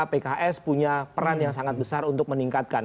pks punya peran yang sangat besar untuk meningkatkan